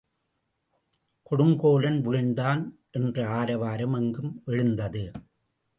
கொடுங்கோலன் வீழ்ந்தான் என்ற ஆரவாரம் எங்கும் எழுந்தது.